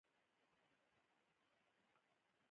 ما د انتخاباتو په پیل کې خپل ملاحضات په تاند کې نشر کړل.